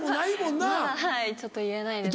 まだちょっと言えないですね。